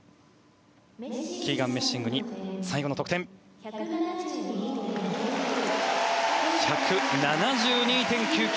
キーガン・メッシングに最後の得点。１７２．９９。